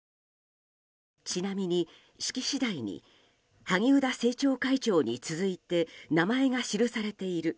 ちなみに、式次第に萩生田政調会長に続いて名前が記されている